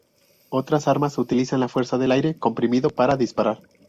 Otras armas utilizan la fuerza del aire comprimido para disparar.